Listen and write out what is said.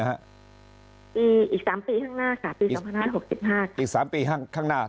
อีก๓ปีข้างหน้าอีก๓ปีข้างหน้า